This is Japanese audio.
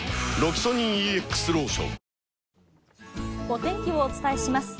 お天気をお伝えします。